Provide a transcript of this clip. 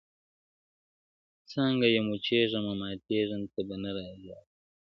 څانګه یم وچېږمه، ماتېږم ته به نه ژاړې!.